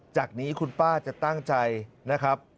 จากนี้คุณป้าจะตั้งใจนะครับ